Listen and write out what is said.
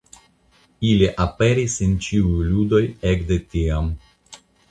Ili aperis en ĉiuj ludoj ekde tiam.